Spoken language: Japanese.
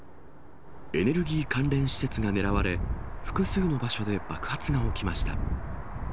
エネルギー関連施設が狙われ、複数の場所で爆発が起きました。